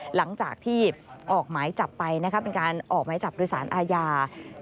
หลังจากที่ออกหมายจับไปเป็นการออกหมายจับโดยสารอาญา